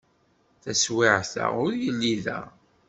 Taswiɛt-a ur yelli da.